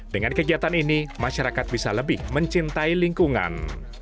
dengan kegiatan ini masyarakat bisa lebih mencintai lingkungan